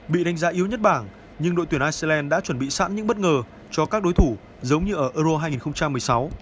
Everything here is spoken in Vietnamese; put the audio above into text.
bị đánh giá yếu nhất bảng nhưng đội tuyển iceland đã chuẩn bị sẵn những bất ngờ cho các đối thủ giống như ở euro hai nghìn một mươi sáu